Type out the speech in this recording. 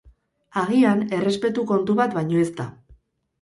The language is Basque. Agian, errespetu kontu bat baino ez da.